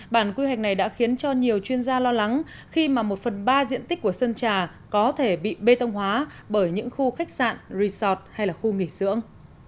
bản quy hoạch này đã khiến cho nhiều chuyên gia lo lắng khi mà một phần ba diện tích của sơn trà có thể bị bê tông hóa bởi những khu khách sạn resort hay là khu nghỉ dưỡng